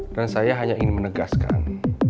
dan saya hanya ingin menegaskan